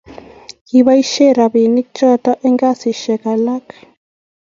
kabaishe rabinik choton eng kazishek alak